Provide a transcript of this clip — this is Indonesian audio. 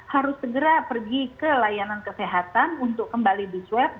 harus segera pergi ke layanan kesehatan untuk kembali disuap